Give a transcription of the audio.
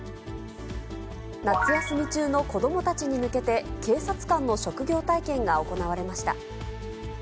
夏休み中の子どもたちに向けて、警察官の職業体験が行われました。